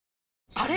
あれ？